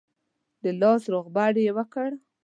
د لاس روغبړ یې وکړ.